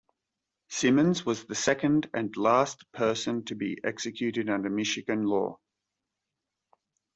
Simmons was the second and last person to be executed under Michigan law.